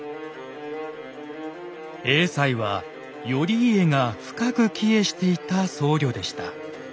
栄西は頼家が深く帰依していた僧侶でした。